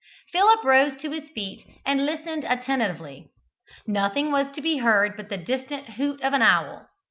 Philip rose to his feet and listened attentively. Nothing was to be heard but the distant hoot of an owl.